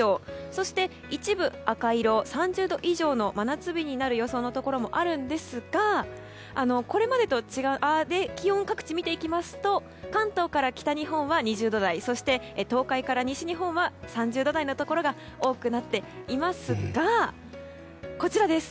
そして一部で赤色の３０度以上の真夏日になる予想のところもあるんですが気温を各地を見ていきますと関東から北日本は２０度台そして東海から西日本は３０度台のところが多くなっていますがこちらです。